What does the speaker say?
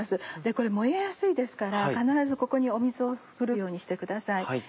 これ燃えやすいですから必ずここに水を振るようにしてください。